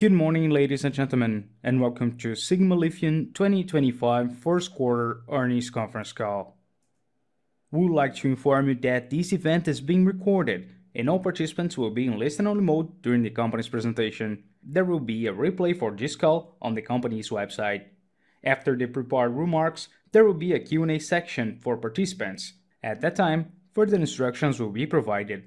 Good morning, ladies and gentlemen, and welcome to Sigma Lithium 2025 First Quarter Earnings Conference Call. We would like to inform you that this event is being recorded, and all participants will be in listen-only mode during the company's presentation. There will be a replay for this call on the company's website. After the prepared remarks, there will be a Q&A section for participants. At that time, further instructions will be provided.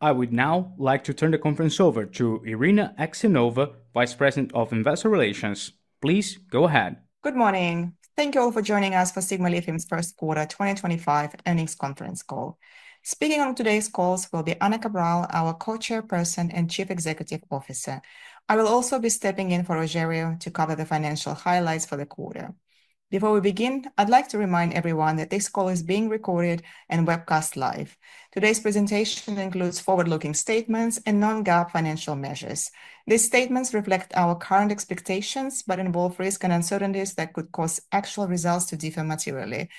I would now like to turn the conference over to Irina Axenova, Vice President of Investor Relations. Please go ahead. Good morning. Thank you all for joining us for Sigma Lithium's First Quarter 2025 Earnings Conference Call. Speaking on today's calls will be Ana Cabral, our Co-Chairperson and Chief Executive Officer. I will also be stepping in for Rogerio to cover the financial highlights for the quarter. Before we begin, I'd like to remind everyone that this call is being recorded and webcast live. Today's presentation includes forward-looking statements and non-GAAP financial measures. These statements reflect our current expectations but involve risk and uncertainties that could cause actual results to differ materially.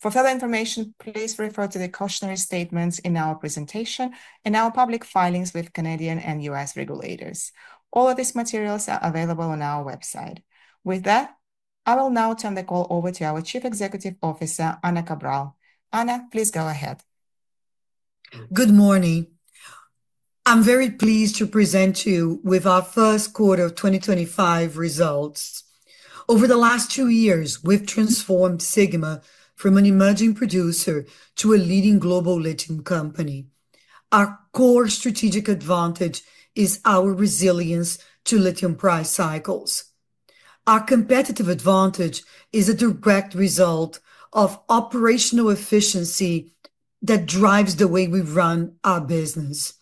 For further information, please refer to the cautionary statements in our presentation and our public filings with Canadian and U.S. regulators. All of these materials are available on our website. With that, I will now turn the call over to our Chief Executive Officer, Ana Cabral. Ana, please go ahead. Good morning. I'm very pleased to present to you with our first quarter 2025 results. Over the last two years, we've transformed Sigma from an emerging producer to a leading global lithium company. Our core strategic advantage is our resilience to lithium price cycles. Our competitive advantage is a direct result of operational efficiency that drives the way we run our business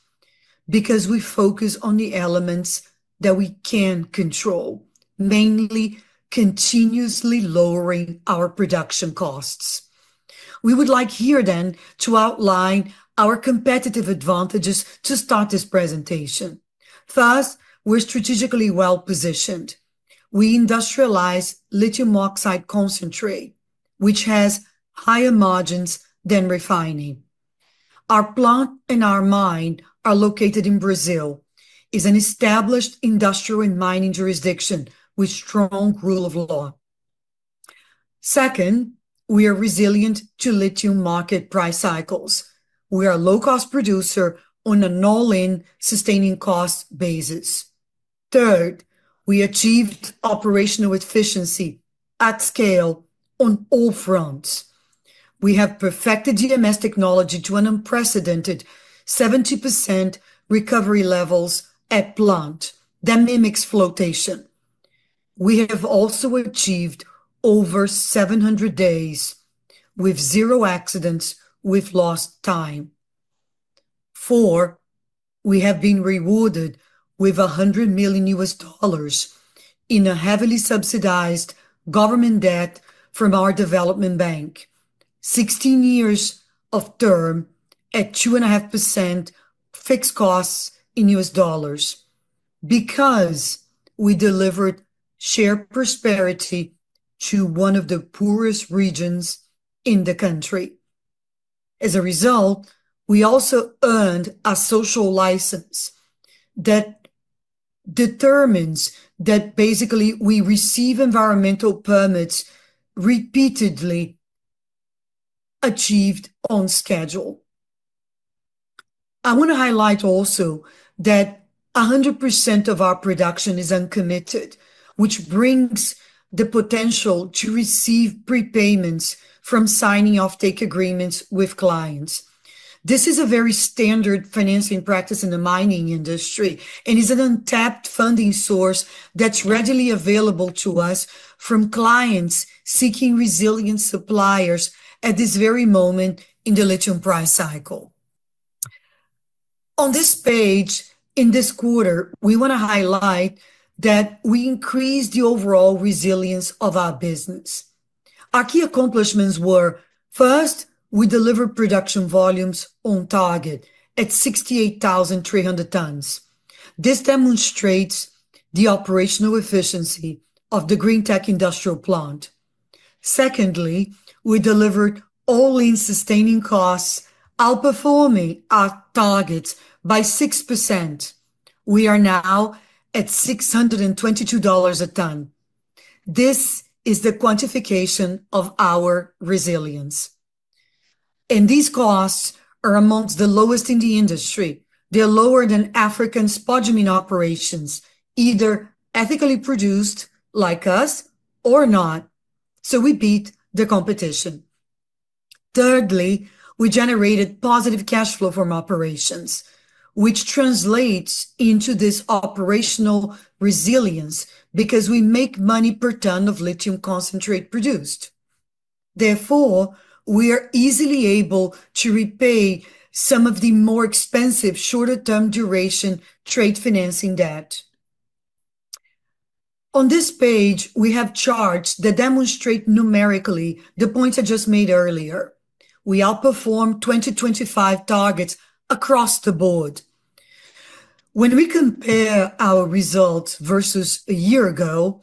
because we focus on the elements that we can control, mainly continuously lowering our production costs. We would like here then to outline our competitive advantages to start this presentation. First, we're strategically well positioned. We industrialize lithium oxide concentrate, which has higher margins than refining. Our plant and our mine are located in Brazil. It's an established industrial and mining jurisdiction with strong rule of law. Second, we are resilient to lithium market price cycles. We are a low-cost producer on an all-in sustaining cost basis. Third, we achieved operational efficiency at scale on all fronts. We have perfected DMS technology to an unprecedented 70% recovery levels at plant that mimics flotation. We have also achieved over 700 days with zero accidents with lost time. Fourth, we have been rewarded with $100 million in a heavily subsidized government debt from our development bank, 16 years of term at 2.5% fixed costs in U.S. dollars because we delivered shared prosperity to one of the poorest regions in the country. As a result, we also earned a social license that determines that basically we receive environmental permits repeatedly achieved on schedule. I want to highlight also that 100% of our production is uncommitted, which brings the potential to receive prepayments from signing offtake agreements with clients. This is a very standard financing practice in the mining industry and is an untapped funding source that's readily available to us from clients seeking resilient suppliers at this very moment in the lithium price cycle. On this page in this quarter, we want to highlight that we increased the overall resilience of our business. Our key accomplishments were: first, we delivered production volumes on target at 68,300 tons. This demonstrates the operational efficiency of the Greentech Industrial Plant. Secondly, we delivered all-in sustaining costs, outperforming our targets by 6%. We are now at $622 a ton. This is the quantification of our resilience. And these costs are amongst the lowest in the industry. They're lower than African spodumene operations, either ethically produced like us or not, so we beat the competition. Thirdly, we generated positive cash flow from operations, which translates into this operational resilience because we make money per ton of lithium concentrate produced. Therefore, we are easily able to repay some of the more expensive shorter-term duration trade financing debt. On this page, we have charts that demonstrate numerically the points I just made earlier. We outperformed 2025 targets across the board. When we compare our results versus a year ago,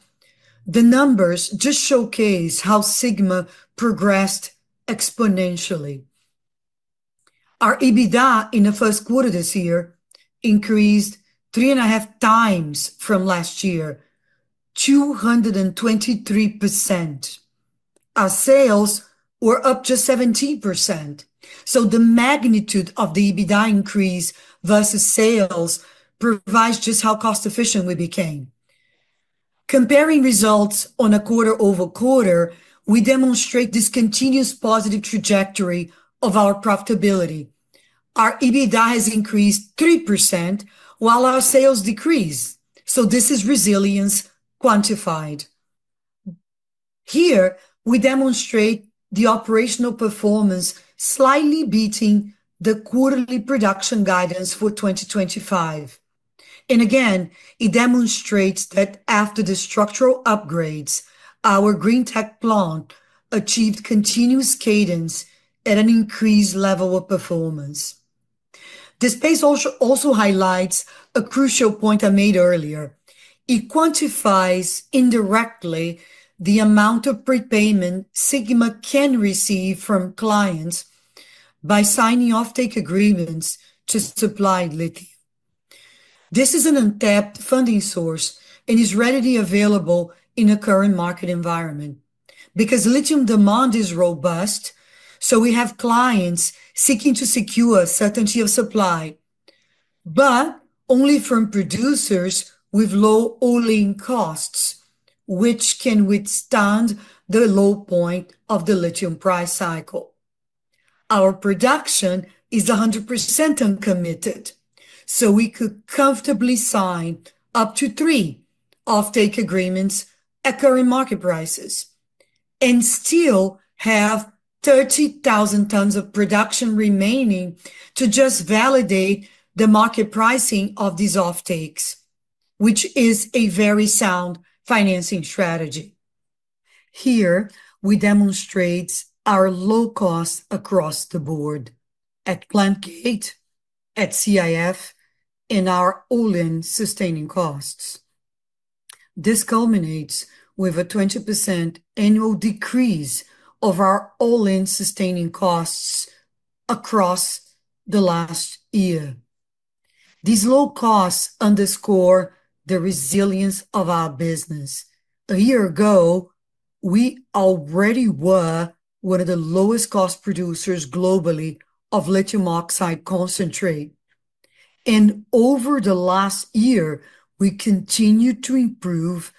the numbers just showcase how Sigma progressed exponentially. Our EBITDA in the first quarter this year increased 3.5x from last year, 223%. Our sales were up just 17%. The magnitude of the EBITDA increase versus sales provides just how cost-efficient we became. Comparing results on a quarter-over-quarter, we demonstrate this continuous positive trajectory of our profitability. Our EBITDA has increased 3% while our sales decrease. This is resilience quantified. Here, we demonstrate the operational performance slightly beating the quarterly production guidance for 2025. It demonstrates that after the structural upgrades, our Greentech Plant achieved continuous cadence at an increased level of performance. This page also highlights a crucial point I made earlier. It quantifies indirectly the amount of prepayment Sigma can receive from clients by signing offtake agreements to supply lithium. This is an untapped funding source and is readily available in the current market environment because lithium demand is robust, so we have clients seeking to secure certainty of supply, but only from producers with low all-in costs, which can withstand the low point of the lithium price cycle. Our production is 100% uncommitted, so we could comfortably sign up to three offtake agreements at current market prices and still have 30,000 tons of production remaining to just validate the market pricing of these offtakes, which is a very sound financing strategy. Here, we demonstrate our low cost across the board at plant gate, at CIF, and our all-in sustaining costs. This culminates with a 20% annual decrease of our all-in sustaining costs across the last year. These low costs underscore the resilience of our business. A year ago, we already were one of the lowest cost producers globally of lithium oxide concentrate. Over the last year, we continue to improve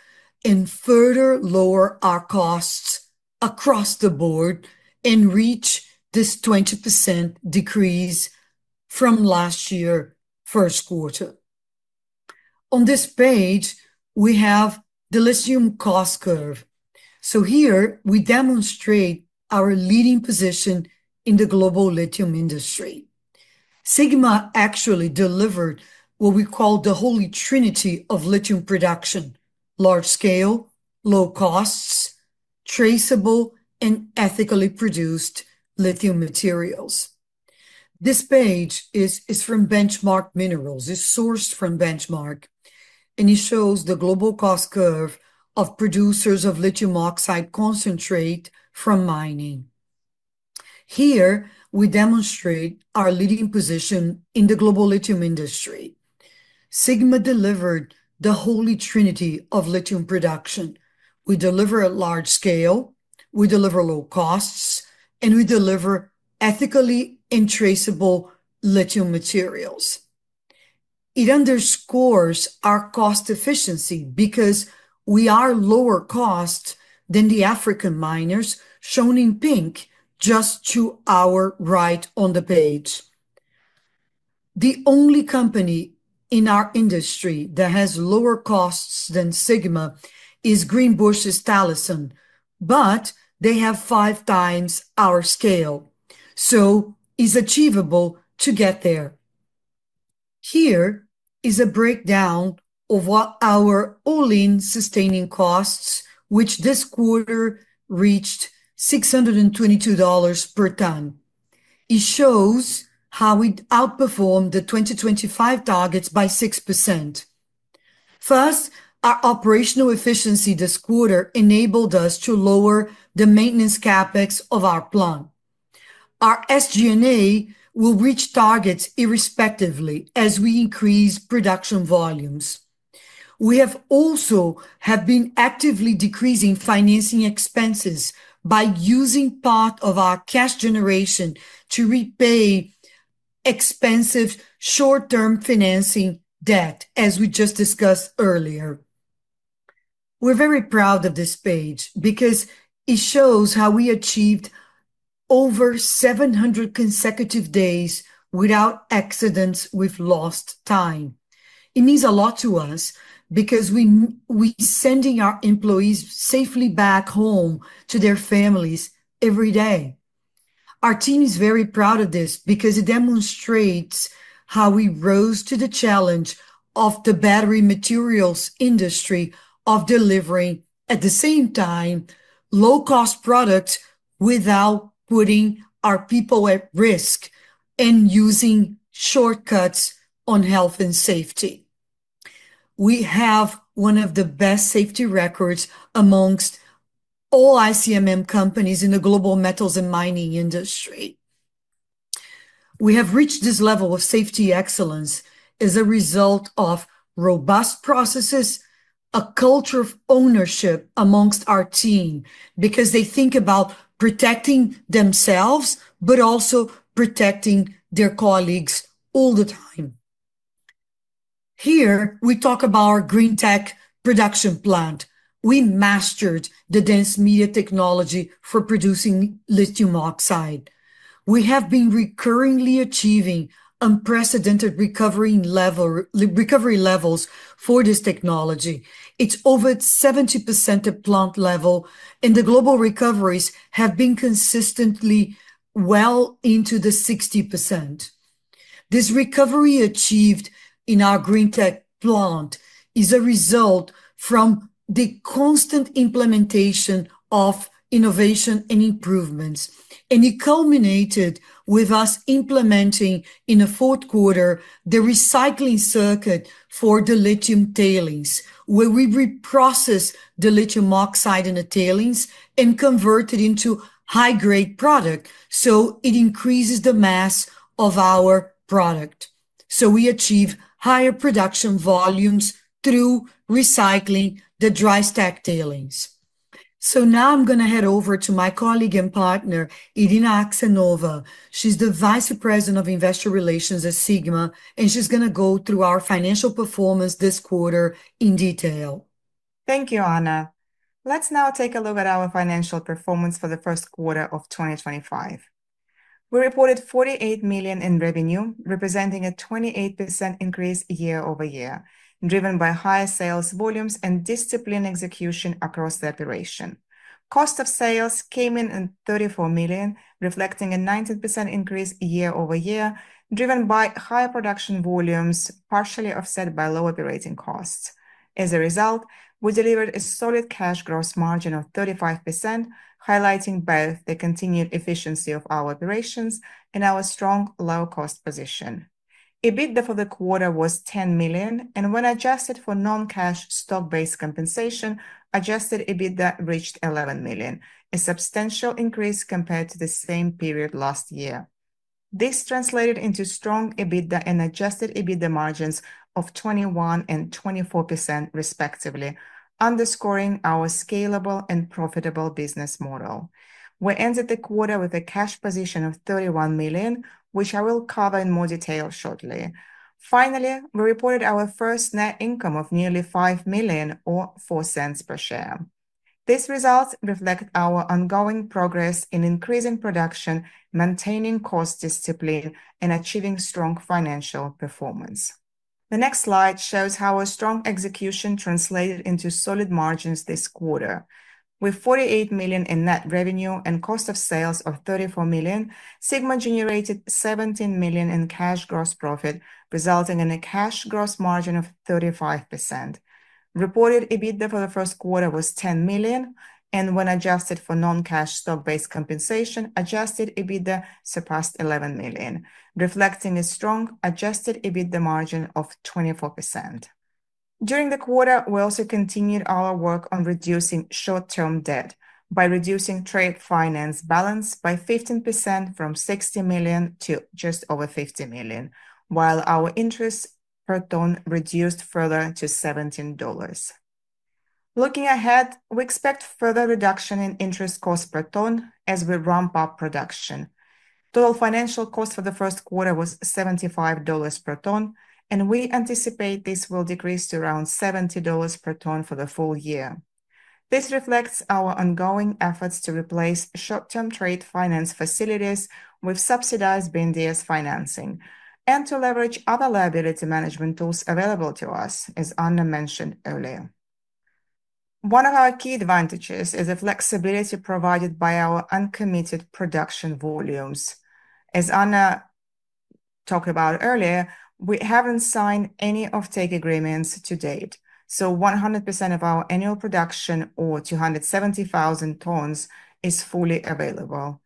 and further lower our costs across the board and reach this 20% decrease from last year's first quarter. On this page, we have the lithium cost curve. Here, we demonstrate our leading position in the global lithium industry. Sigma actually delivered what we call the holy trinity of lithium production: large scale, low costs, traceable, and ethically produced lithium materials. This page is from Benchmark Minerals. It is sourced from Benchmark, and it shows the global cost curve of producers of lithium oxide concentrate from mining. Here, we demonstrate our leading position in the global lithium industry. Sigma delivered the holy trinity of lithium production. We deliver at large scale, we deliver low costs, and we deliver ethically and traceable lithium materials. It underscores our cost efficiency because we are lower cost than the African miners, shown in pink just to our right on the page. The only company in our industry that has lower costs than Sigma is Greenbushes Talison, but they have five times our scale, so it is achievable to get there. Here is a breakdown of our all-in sustaining costs, which this quarter reached $622 per ton. It shows how we outperformed the 2025 targets by 6%. First, our operational efficiency this quarter enabled us to lower the maintenance capex of our plant. Our SG&A will reach targets irrespectively as we increase production volumes. We have also been actively decreasing financing expenses by using part of our cash generation to repay expensive short-term financing debt, as we just discussed earlier. We're very proud of this page because it shows how we achieved over 700 consecutive days without accidents with lost time. It means a lot to us because we're sending our employees safely back home to their families every day. Our team is very proud of this because it demonstrates how we rose to the challenge of the battery materials industry of delivering, at the same time, low-cost products without putting our people at risk and using shortcuts on health and safety. We have one of the best safety records amongst all ICMM companies in the global metals and mining industry. We have reached this level of safety excellence as a result of robust processes, a culture of ownership amongst our team because they think about protecting themselves but also protecting their colleagues all the time. Here, we talk about our Greentech production plant. We mastered the dense media technology for producing lithium oxide. We have been recurringly achieving unprecedented recovery levels for this technology. It's over 70% at plant level, and the global recoveries have been consistently well into the 60%. This recovery achieved in our Greentech Plant is a result from the constant implementation of innovation and improvements. It culminated with us implementing in the fourth quarter the recycling circuit for the lithium tailings, where we reprocess the lithium oxide in the tailings and convert it into high-grade product. It increases the mass of our product. We achieve higher production volumes through recycling the dry stack tailings. Now I'm going to head over to my colleague and partner, Irina Axenova. She's the Vice President of Investor Relations at Sigma, and she's going to go through our financial performance this quarter in detail. Thank you, Ana. Let's now take a look at our financial performance for the first quarter of 2025. We reported $48 million in revenue, representing a 28% increase year-over-year, driven by higher sales volumes and disciplined execution across the operation. Cost of sales came in at $34 million, reflecting a 19% increase year-over-year, driven by higher production volumes, partially offset by low operating costs. As a result, we delivered a solid cash gross margin of 35%, highlighting both the continued efficiency of our operations and our strong low-cost position. EBITDA for the quarter was $10 million, and when adjusted for non-cash stock-based compensation, adjusted EBITDA reached $11 million, a substantial increase compared to the same period last year. This translated into strong EBITDA and adjusted EBITDA margins of 21% and 24%, respectively, underscoring our scalable and profitable business model. We ended the quarter with a cash position of $31 million, which I will cover in more detail shortly. Finally, we reported our first net income of nearly $5 million, or $0.04 per share. These results reflect our ongoing progress in increasing production, maintaining cost discipline, and achieving strong financial performance. The next slide shows how our strong execution translated into solid margins this quarter. With $48 million in net revenue and cost of sales of $34 million, Sigma generated $17 million in cash gross profit, resulting in a cash gross margin of 35%. Reported EBITDA for the first quarter was $10 million, and when adjusted for non-cash stock-based compensation, adjusted EBITDA surpassed $11 million, reflecting a strong adjusted EBITDA margin of 24%. During the quarter, we also continued our work on reducing short-term debt by reducing trade finance balance by 15% from $60 million to just over $50 million, while our interest per ton reduced further to $17. Looking ahead, we expect further reduction in interest costs per ton as we ramp up production. Total financial cost for the first quarter was $75 per ton, and we anticipate this will decrease to around $70 per ton for the full year. This reflects our ongoing efforts to replace short-term trade finance facilities with subsidized BNDES financing and to leverage other liability management tools available to us, as Ana mentioned earlier. One of our key advantages is the flexibility provided by our uncommitted production volumes. As Ana talked about earlier, we haven't signed any offtake agreements to date, so 100% of our annual production, or 270,000 tons, is fully available.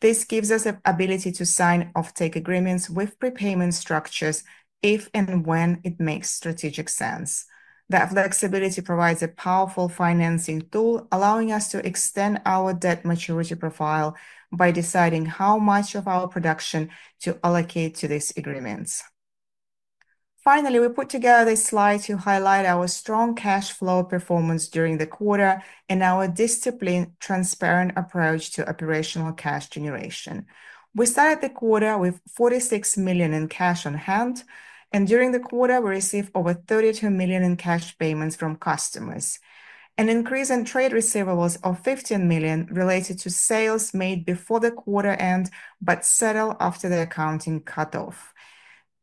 This gives us the ability to sign offtake agreements with prepayment structures if and when it makes strategic sense. That flexibility provides a powerful financing tool, allowing us to extend our debt maturity profile by deciding how much of our production to allocate to these agreements. Finally, we put together this slide to highlight our strong cash flow performance during the quarter and our disciplined, transparent approach to operational cash generation. We started the quarter with $46 million in cash on hand, and during the quarter, we received over $32 million in cash payments from customers, an increase in trade receivables of $15 million related to sales made before the quarter end but settled after the accounting cut-off.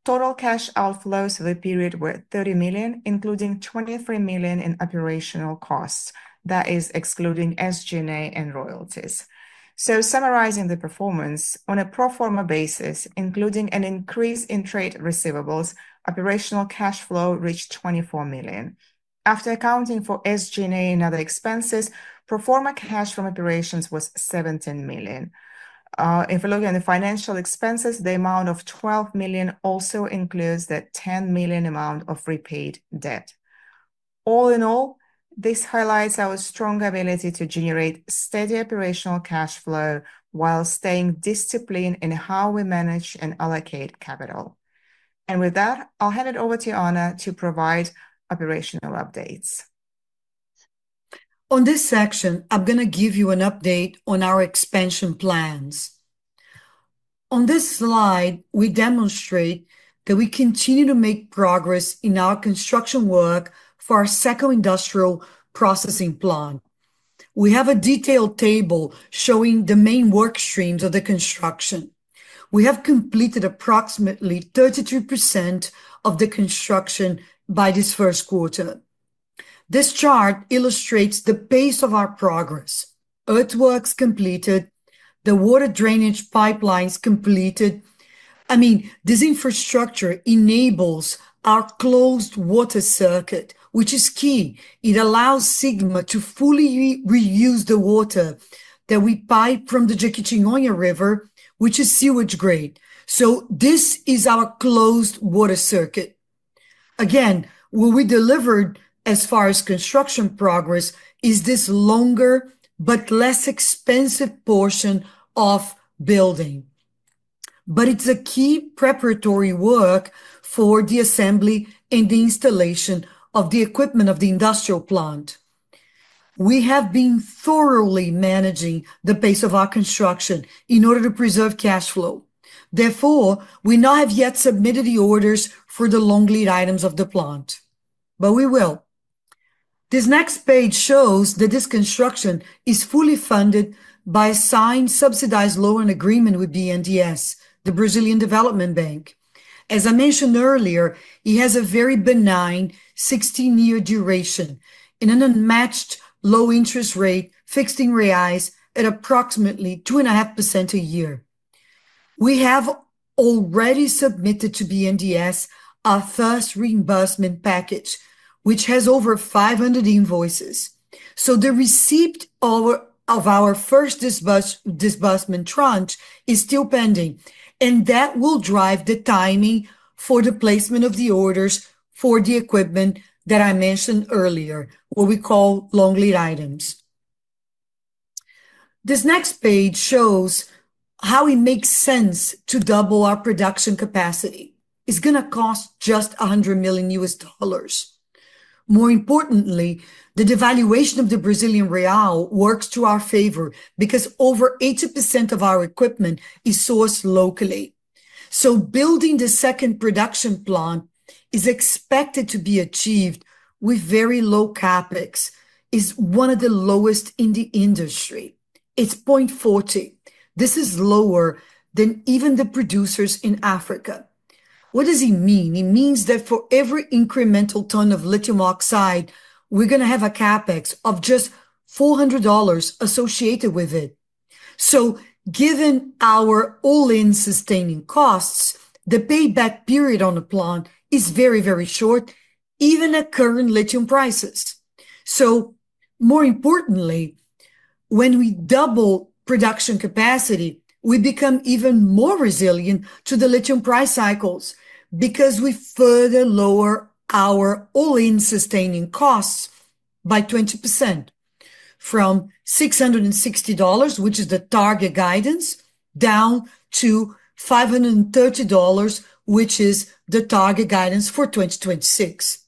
Total cash outflows for the period were $30 million, including $23 million in operational costs, that is, excluding SG&A and royalties. Summarizing the performance, on a pro forma basis, including an increase in trade receivables, operational cash flow reached $24 million. After accounting for SG&A and other expenses, pro forma cash from operations was $17 million. If we look at the financial expenses, the amount of $12 million also includes the $10 million amount of repaid debt. All in all, this highlights our strong ability to generate steady operational cash flow while staying disciplined in how we manage and allocate capital. With that, I'll hand it over to Ana to provide operational updates. On this section, I'm going to give you an update on our expansion plans. On this slide, we demonstrate that we continue to make progress in our construction work for our second industrial processing plant. We have a detailed table showing the main work streams of the construction. We have completed approximately 33% of the construction by this first quarter. This chart illustrates the pace of our progress. Earthworks completed, the water drainage pipelines completed. I mean, this infrastructure enables our closed water circuit, which is key. It allows Sigma to fully reuse the water that we pipe from the Jequitinhonha River, which is sewage grade. This is our closed water circuit. Again, what we delivered as far as construction progress is this longer but less expensive portion of building. It is a key preparatory work for the assembly and the installation of the equipment of the industrial plant. We have been thoroughly managing the pace of our construction in order to preserve cash flow. Therefore, we now have yet submitted the orders for the long lead items of the plant, but we will. This next page shows that this construction is fully funded by a signed subsidized loan and agreement with BNDES, the Brazilian Development Bank. As I mentioned earlier, it has a very benign 16-year duration and an unmatched low interest rate, fixed in reais at approximately 2.5% a year. We have already submitted to BNDES our first reimbursement package, which has over 500 invoices. The receipt of our first disbursement tranche is still pending, and that will drive the timing for the placement of the orders for the equipment that I mentioned earlier, what we call long lead items. This next page shows how it makes sense to double our production capacity. It's going to cost just $100 million. More importantly, the devaluation of the Brazilian Real works to our favor because over 80% of our equipment is sourced locally. Building the second production plant is expected to be achieved with very low CapEx. It's one of the lowest in the industry. It's $0.40. This is lower than even the producers in Africa. What does it mean? It means that for every incremental ton of lithium oxide, we're going to have a CapEx of just $400 associated with it. Given our all-in sustaining costs, the payback period on the plant is very, very short, even at current lithium prices. More importantly, when we double production capacity, we become even more resilient to the lithium price cycles because we further lower our all-in sustaining costs by 20% from $660, which is the target guidance, down to $530, which is the target guidance for 2026.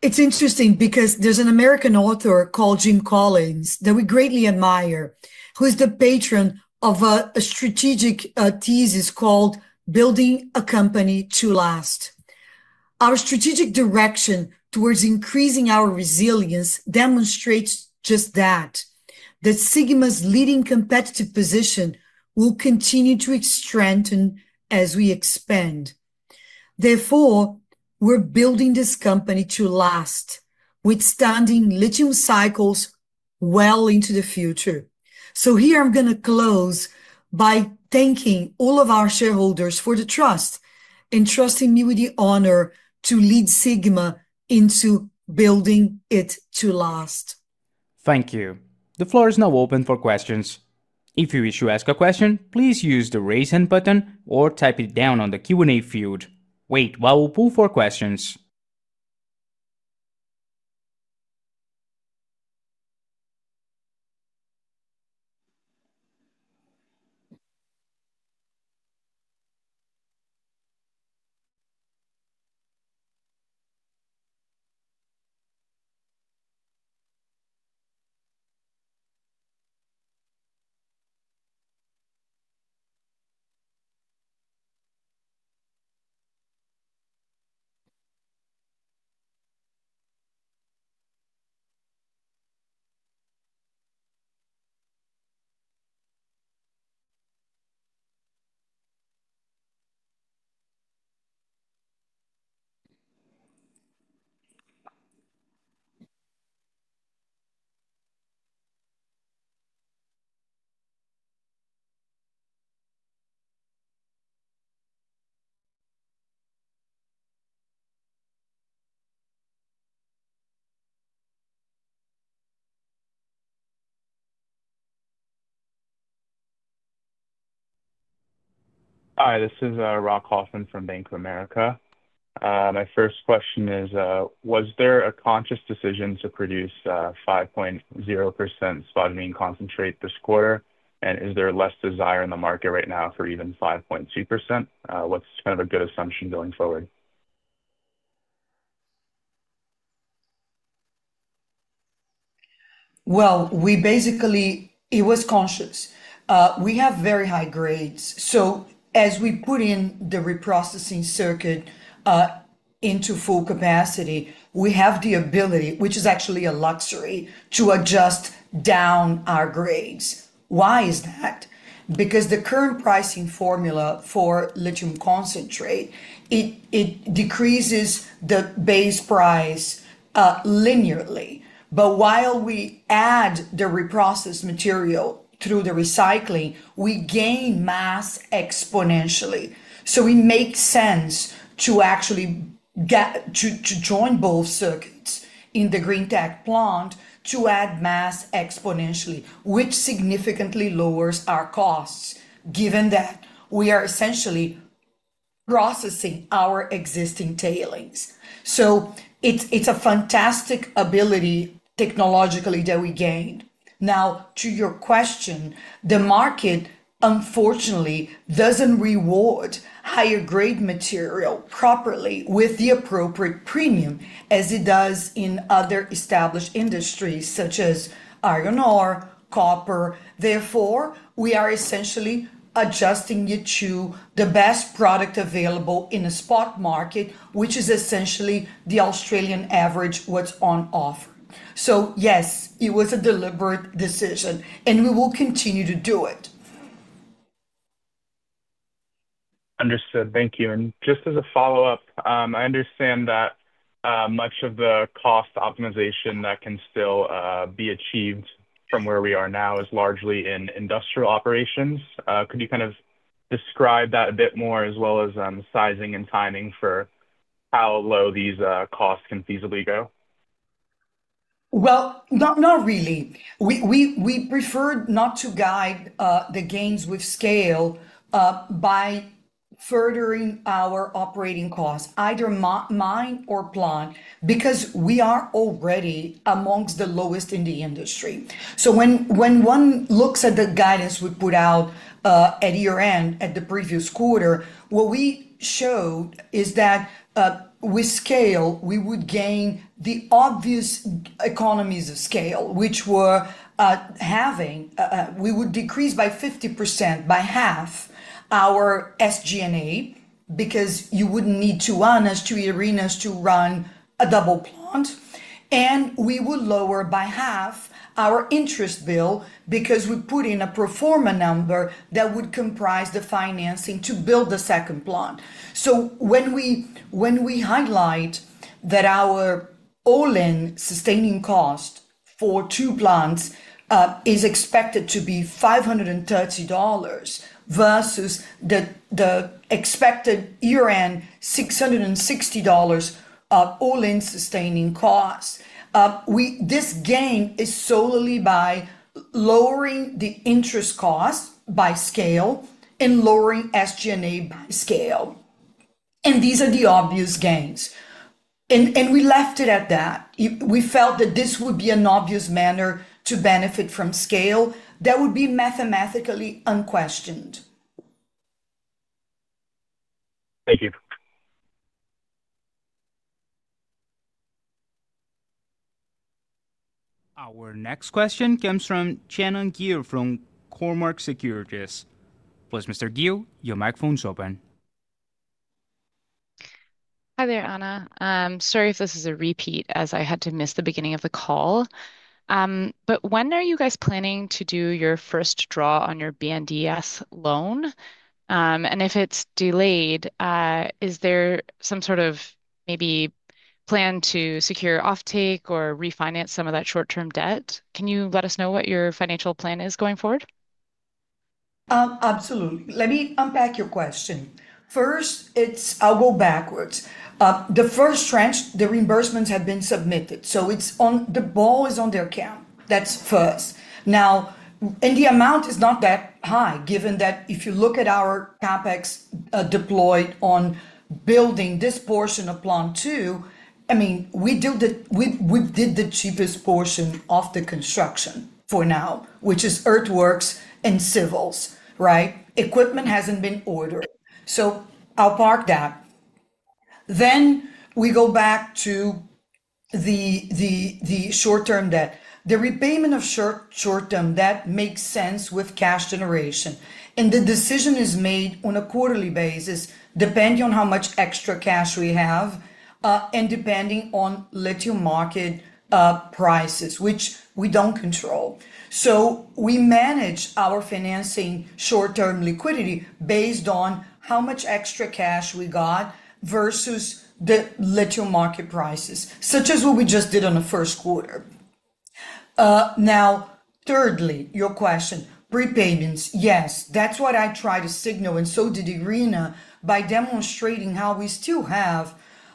It is interesting because there is an American author called Jim Collins that we greatly admire, who is the patron of a strategic thesis called Building a Company to Last. Our strategic direction towards increasing our resilience demonstrates just that, that Sigma's leading competitive position will continue to strengthen as we expand. Therefore, we are building this company to last, withstanding lithium cycles well into the future. Here, I'm going to close by thanking all of our shareholders for the trust and trusting me with the honor to lead Sigma into building it to last. Thank you. The floor is now open for questions. If you wish to ask a question, please use the raise hand button or type it down on the Q&A field. Wait while we pull for questions. Hi, this is Rock Hoffman from Bank of America. My first question is, was there a conscious decision to produce 5.0% spodumene concentrate this quarter? And is there less desire in the market right now for even 5.2%? What's kind of a good assumption going forward? It was conscious. We have very high grades. As we put in the reprocessing circuit into full capacity, we have the ability, which is actually a luxury, to adjust down our grades. Why is that? Because the current pricing formula for lithium concentrate, it decreases the base price linearly. But while we add the reprocessed material through the recycling, we gain mass exponentially. It makes sense to actually join both circuits in the Greentech Plant to add mass exponentially, which significantly lowers our costs, given that we are essentially processing our existing tailings. It is a fantastic ability technologically that we gained. Now, to your question, the market, unfortunately, does not reward higher grade material properly with the appropriate premium as it does in other established industries, such as iron ore, copper. Therefore, we are essentially adjusting it to the best product available in a spot market, which is essentially the Australian average what is on offer. Yes, it was a deliberate decision, and we will continue to do it. Understood. Thank you. Just as a follow-up, I understand that much of the cost optimization that can still be achieved from where we are now is largely in industrial operations. Could you kind of describe that a bit more as well as sizing and timing for how low these costs can feasibly go? Not really. We prefer not to guide the gains with scale by furthering our operating costs, either mine or plant, because we are already amongst the lowest in the industry. When one looks at the guidance we put out at year-end at the previous quarter, what we showed is that with scale, we would gain the obvious economies of scale, which were having we would decrease by 50%, by 1/2, our SG&A because you would not need two Anas two Irinas to run a double plant. We would lower by half our interest bill because we put in a pro forma number that would comprise the financing to build the second plant. When we highlight that our all-in sustaining cost for two plants is expected to be $530 versus the expected year-end $660 of all-in sustaining costs, this gain is solely by lowering the interest cost by scale and lowering SG&A by scale. These are the obvious gains. We left it at that. We felt that this would be an obvious manner to benefit from scale that would be mathematically unquestioned. Our next question comes from Shannon Gill from Cormark Securities. Please, Mr. Gill, your microphone is open. Hi there, Ana. Sorry if this is a repeat as I had to miss the beginning of the call. When are you guys planning to do your first draw on your BNDES loan? If it is delayed, is there some sort of maybe plan to secure offtake or refinance some of that short-term debt? Can you let us know what your financial plan is going forward? Absolutely. Let me unpack your question. First, I'll go backwards. The first tranche, the reimbursements have been submitted. The ball is on their account. That is first. Now, the amount is not that high, given that if you look at our CapEx deployed on building this portion of plant two, I mean, we did the cheapest portion of the construction for now, which is earthworks and civils, right? Equipment has not been ordered. I'll park that. We go back to the short-term debt. The repayment of short-term, that makes sense with cash generation. The decision is made on a quarterly basis, depending on how much extra cash we have and depending on lithium market prices, which we do not control. We manage our financing short-term liquidity based on how much extra cash we got versus the lithium market prices, such as what we just did in the first quarter. Thirdly, your question, repayments, yes, that is what I try to signal, and so did Irina by demonstrating how we still have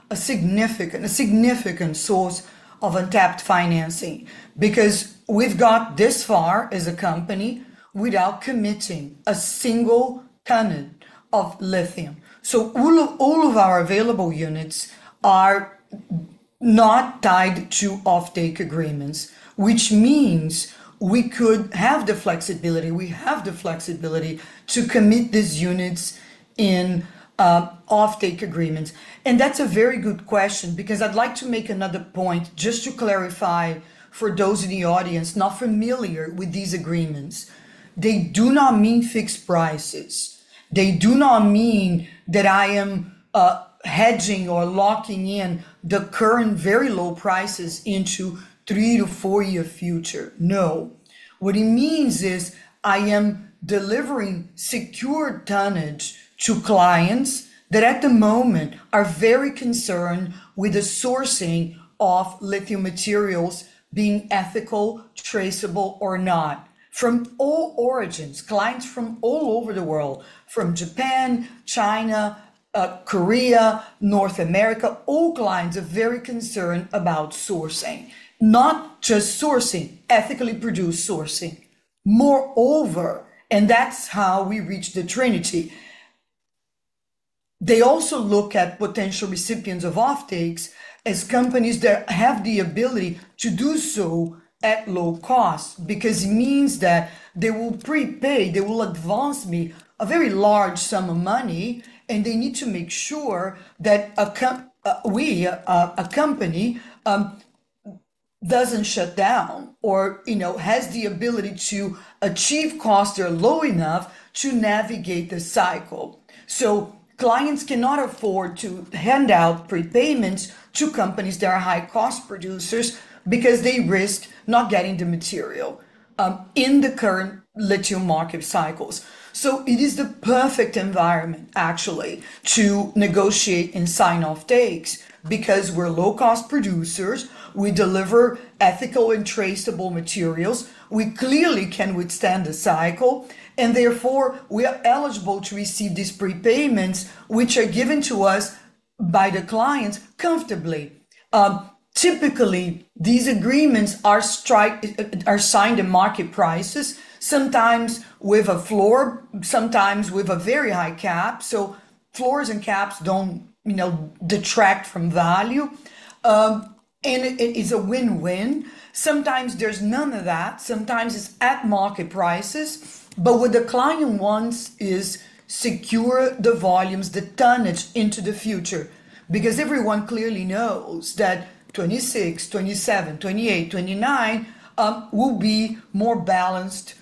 a significant source of untapped financing because we have got this far as a company without committing a single ton of lithium. All of our available units are not tied to offtake agreements, which means we could have the flexibility. We have the flexibility to commit these units in offtake agreements. That is a very good question because I would like to make another point just to clarify for those in the audience not familiar with these agreements. They do not mean fixed prices. They do not mean that I am hedging or locking in the current very low prices into three to four-year future. No. What it means is I am delivering secure tonnage to clients that at the moment are very concerned with the sourcing of lithium materials being ethical, traceable, or not. From all origins, clients from all over the world, from Japan, China, Korea, North America, all clients are very concerned about sourcing. Not just sourcing, ethically produced sourcing. Moreover, that is how we reach the trinity. They also look at potential recipients of offtakes as companies that have the ability to do so at low cost because it means that they will prepay, they will advance me a very large sum of money, and they need to make sure that we, a company, does not shut down or has the ability to achieve costs that are low enough to navigate the cycle. Clients cannot afford to hand out prepayments to companies that are high-cost producers because they risk not getting the material in the current lithium market cycles. It is the perfect environment, actually, to negotiate and sign offtakes because we are low-cost producers. We deliver ethical and traceable materials. We clearly can withstand the cycle, and therefore, we are eligible to receive these prepayments, which are given to us by the clients comfortably. Typically, these agreements are signed at market prices, sometimes with a floor, sometimes with a very high cap. Floors and caps do not detract from value. It is a win-win. Sometimes there is none of that. Sometimes it is at market prices. What the client wants is to secure the volumes, the tonnage into the future because everyone clearly knows that 2026, 2027, 2028, 2029 will be more balanced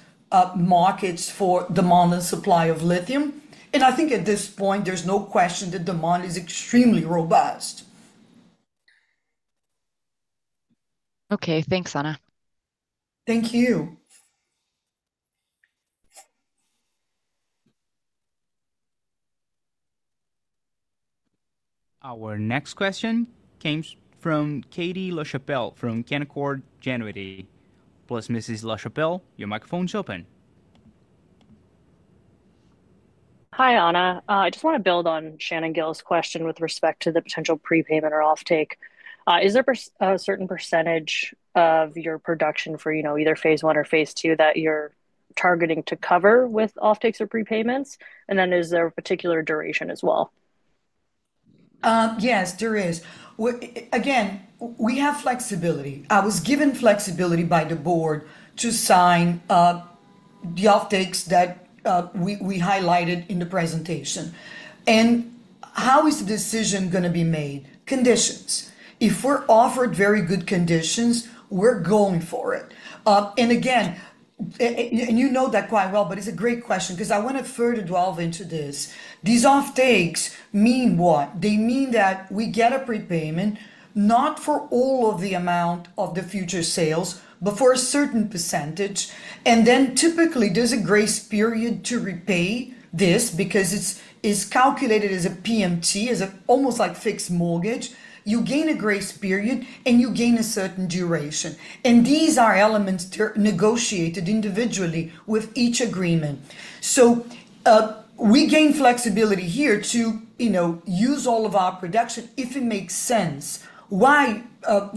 markets for demand and supply of lithium. I think at this point, there is no question that demand is extremely robust. Okay. Thanks, Ana. Thank you. Our next question comes from Katie Lachapelle from Canaccord Genuity. Please, Mrs. Lachapelle, your microphone is open. Hi, Ana. I just want to build on Shannon Gill's question with respect to the potential prepayment or offtake. Is there a certain percentage of your production for either phase one or phase two that you're targeting to cover with offtakes or prepayments? Is there a particular duration as well? Yes, there is. Again, we have flexibility. I was given flexibility by the board to sign the offtakes that we highlighted in the presentation. How is the decision going to be made? Conditions. If we're offered very good conditions, we're going for it. You know that quite well, but it's a great question because I want to further delve into this. These offtakes mean what? They mean that we get a prepayment not for all of the amount of the future sales, but for a certain percentage. Typically, there's a grace period to repay this because it's calculated as a PMT, as almost like fixed mortgage. You gain a grace period, and you gain a certain duration. These are elements negotiated individually with each agreement. You gain flexibility here to use all of our production if it makes sense. Why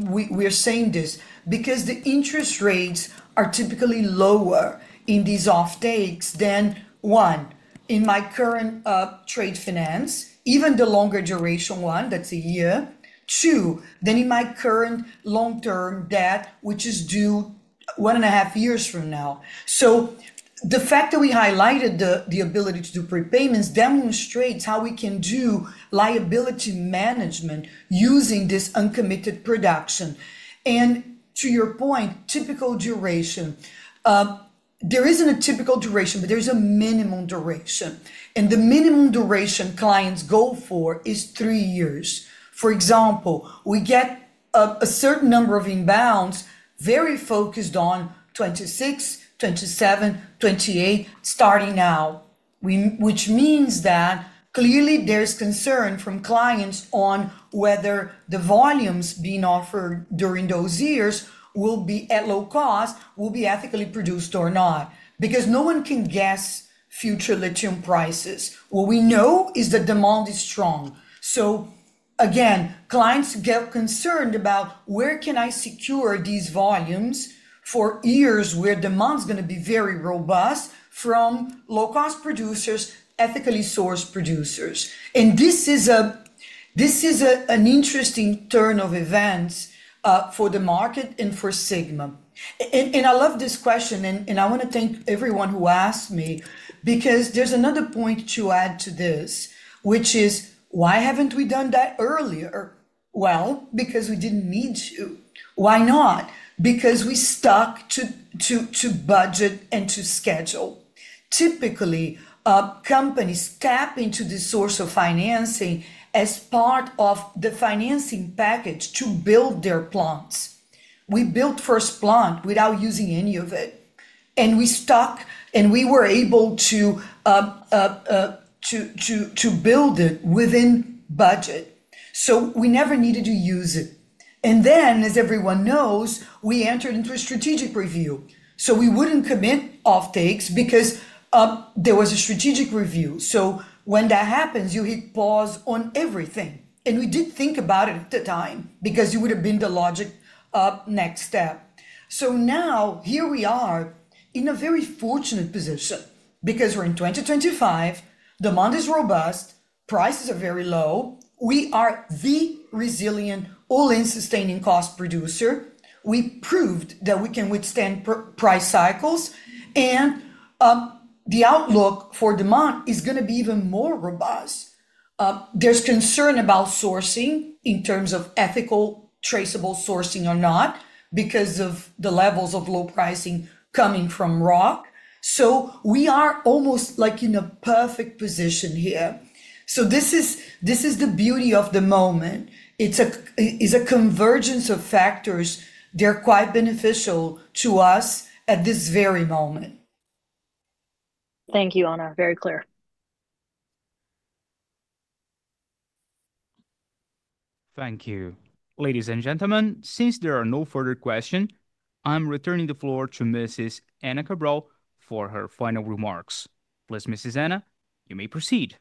we're saying this? The interest rates are typically lower in these offtakes than, one, in my current trade finance, even the longer duration one, that's a year. Two, than in my current long-term debt, which is due one and a half years from now. The fact that we highlighted the ability to do prepayments demonstrates how we can do liability management using this uncommitted production. To your point, typical duration, there isn't a typical duration, but there's a minimum duration. The minimum duration clients go for is three years. For example, we get a certain number of inbounds very focused on 2026, 2027, 2028, starting now, which means that clearly there's concern from clients on whether the volumes being offered during those years will be at low cost, will be ethically produced or not, because no one can guess future lithium prices. What we know is that demand is strong. Clients get concerned about where can I secure these volumes for years where demand's going to be very robust from low-cost producers, ethically sourced producers. This is an interesting turn of events for the market and for Sigma. I love this question, and I want to thank everyone who asked me because there's another point to add to this, which is, why haven't we done that earlier? Because we didn't need to. Why not? Because we stuck to budget and to schedule. Typically, companies tap into the source of financing as part of the financing package to build their plants. We built first plant without using any of it. We stuck, and we were able to build it within budget. We never needed to use it. As everyone knows, we entered into a strategic review. We would not commit offtakes because there was a strategic review. When that happens, you hit pause on everything. We did think about it at the time because it would have been the logical next step. Now, here we are in a very fortunate position because we are in 2025. Demand is robust. Prices are very low. We are the resilient, all-in sustaining cost producer. We proved that we can withstand price cycles. The outlook for demand is going to be even more robust. There's concern about sourcing in terms of ethical, traceable sourcing or not because of the levels of low pricing coming from ROC. So we are almost like in a perfect position here. This is the beauty of the moment. It's a convergence of factors. They're quite beneficial to us at this very moment. Thank you, Ana. Very clear. Thank you. Ladies and gentlemen, since there are no further questions, I'm returning the floor to Mrs. Ana Cabral for her final remarks. Please, Mrs. Ana, you may proceed.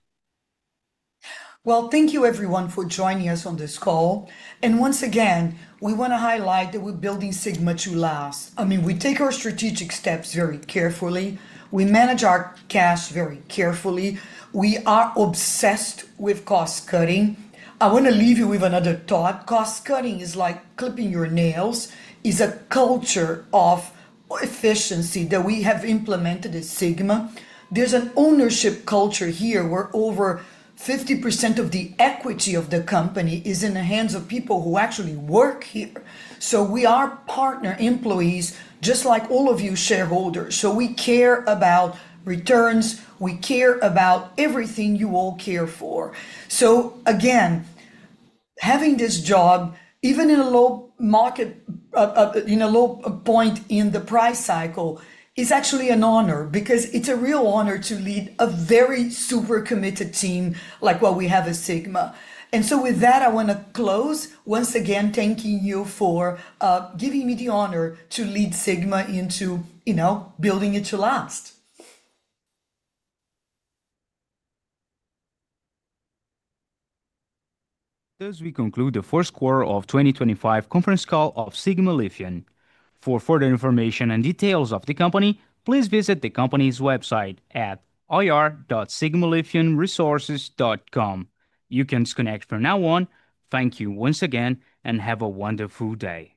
Thank you, everyone, for joining us on this call. Once again, we want to highlight that we're building Sigma to last. I mean, we take our strategic steps very carefully. We manage our cash very carefully. We are obsessed with cost-cutting. I want to leave you with another thought. Cost-cutting is like clipping your nails. It's a culture of efficiency that we have implemented at Sigma. There's an ownership culture here where over 50% of the equity of the company is in the hands of people who actually work here. We are partner employees, just like all of you shareholders. We care about returns. We care about everything you all care for. Again, having this job, even in a low point in the price cycle, is actually an honor because it's a real honor to lead a very super committed team like what we have at Sigma. With that, I want to close, once again, thanking you for giving me the honor to lead Sigma into building it to last. As we conclude the First Quarter of 2025 Conference Call of Sigma Lithium. For further information and details of the company, please visit the company's website at ir.sigmalithiumresources.com. You can disconnect from now on. Thank you once again, and have a wonderful day.